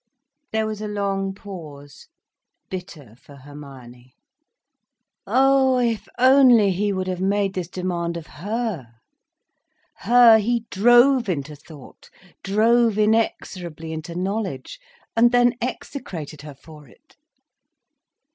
There was a long pause, bitter for Hermione. Ah, if only he would have made this demand of her? Her he drove into thought, drove inexorably into knowledge—and then execrated her for it.